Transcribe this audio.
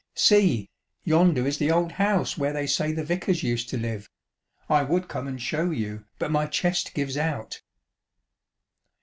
See, yonder is the old house where they say the vicars used to live ŌĆö I would come and show you, but my chest gives out."